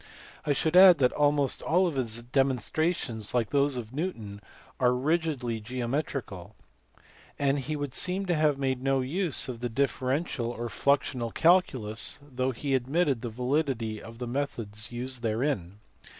I should add that almost all his demonstrations, like those of Newton, are rigidly geometrical, and lie would seem to have B. 20 306 MATHEMATICS FROM DESCARTES TO HUYGENS. made no use of the differential or fluxional calculus, though he admitted the validity of the methods used therein.